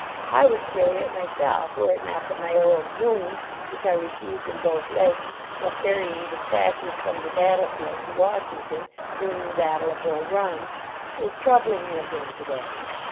I would carry it myself were it not that my old wound, which I received in both legs while carrying despatches from the battle 47 LEARN INC! TO WORK field to Washington, during the battle of Bull Run, is troubling me again to day."